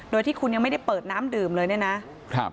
โดยที่คุณยังไม่ได้เปิดน้ำดื่มเลยเนี่ยนะ